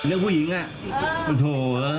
้าผู้หญิงอ่ะโถ